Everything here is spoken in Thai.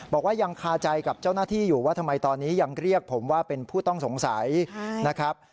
บอกว่ายังคาใจกับเจ้าหน้าที่อยู่ว่าทำไมตอนนี้ยังเรียกผมว่าเป็นผู้ต้องสงสัยนะครับ